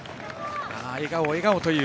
笑顔、笑顔という声。